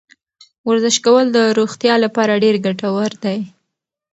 ورزش کول د روغتیا لپاره ډېر ګټور دی.